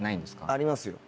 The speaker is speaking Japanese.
ありますよ。